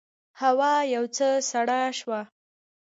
هوا یو څه سړه شوه.